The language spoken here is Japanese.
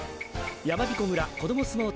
やまびこ村こどもすもう